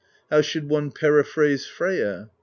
"How should one periphrase Freyja?